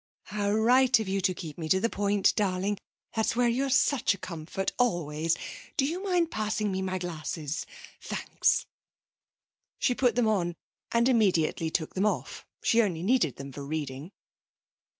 'How right of you to keep me to the point, darling. That's where you're such a comfort always. Do you mind passing me my glasses? Thanks.' She put them on and immediately took them off. She only needed them for reading.